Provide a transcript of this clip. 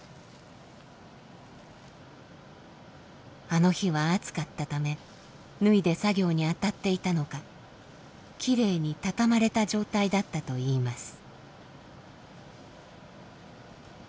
あの日は暑かったため脱いで作業に当たっていたのかきれいに畳まれた状態だったといいます。